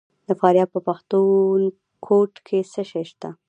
د فاریاب په پښتون کوټ کې څه شی شته؟